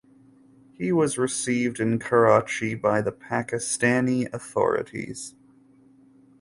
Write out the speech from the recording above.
He was received in Karachi by the Pakistani authorities.